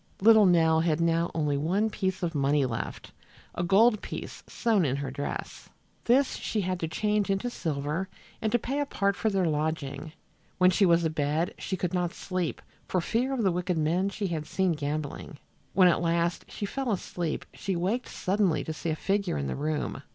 Little Nell had now only one piece of money left, a gold piece sewed in her dress. This she had to change into silver and to pay a part for their lodging. When she was abed she could not sleep for fear of the wicked men she had seen gambling. When at last she fell asleep she waked suddenly to see a figure in the room.